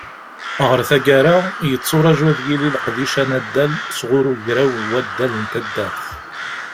Ɣer taggara, yetturaǧu ad yili leqdic anaddal sɣur Ugraw n waddal n taddart.